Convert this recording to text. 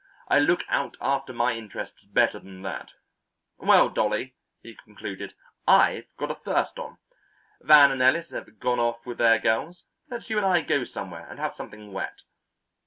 I look out after my interests better than that. Well, Dolly," he concluded, "I've got a thirst on. Van and Ellis have gone off with their girls; let's you and I go somewhere and have something wet."